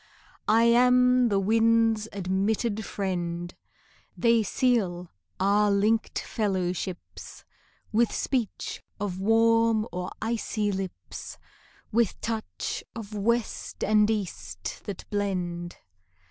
I am the winds' admitted friend: They seal our linked fellowships With speech of warm or icy lips, With touch of west and east that blend.